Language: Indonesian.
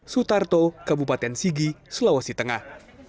sutarto kabupaten sigi sulawesi tengah